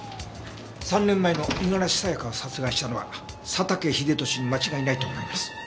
３年前の五十嵐さやかを殺害したのは佐竹英利に間違いないと思います。